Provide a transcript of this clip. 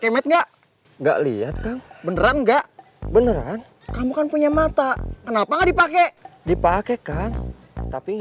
enggak enggak lihat beneran enggak beneran kamu kan punya mata kenapa dipakai dipakai kan tapi